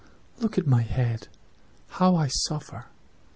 Look at my head—how I suffer!